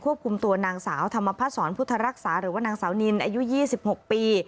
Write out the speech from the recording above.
คุมตัวนางสาวธรรมพัฒนศรพุทธรักษาหรือว่านางสาวนินอายุ๒๖ปี